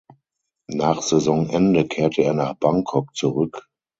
Nach Saisonende kehrte er nach Bangkok zurück.